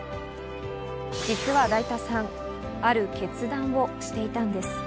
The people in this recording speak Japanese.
実はだいたさん、ある決断をしていたんです。